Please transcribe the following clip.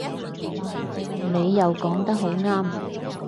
你又講得好啱